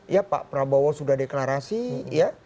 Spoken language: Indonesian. ya pak prabowo sudah deklarasi ya